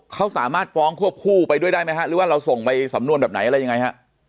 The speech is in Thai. เขาสามารถฟ้องควบคู่ไปด้วยได้ไหมฮะหรือว่าเราส่งไปสำนวนแบบไหนอะไรยังไงฮะ